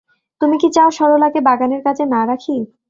তুমি কি চাও সরলাকে বাগানের কাজে না রাখি।